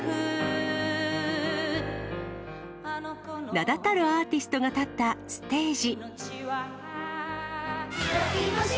名だたるアーティストが立ったステージ。